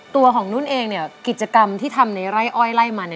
ตัวของนุ่นเองเนี่ยกิจกรรมที่ทำในไร่อ้อยไล่มันเนี่ย